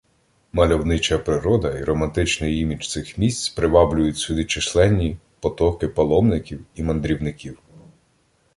Мальовнича природа і романтичний імідж цих місць приваблюють сюди численні потоки паломників і мандрівників.